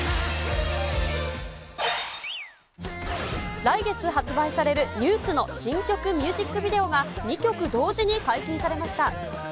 来月発売されるＮＥＷＳの新曲ミュージックビデオが、２曲同時に解禁されました。